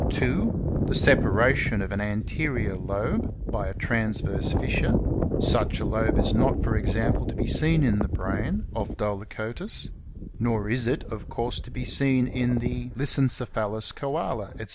(2) The separation of an anterior lobe (c/*. fig. 2, p* 141) by a transverse fissure ; such a lobe is not for example to be seen in the brain of Dolichotis, nor is it of course to be seen in the ^Missencephalous" Koala &c.